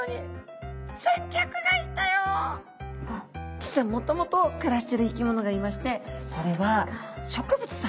実はもともと暮らしている生き物がいましてそれは植物さんなんですね。